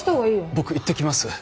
僕行ってきます。